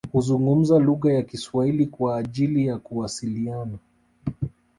Huzungumza lugha ya kiswahili kwa ajili ya kuwasiliana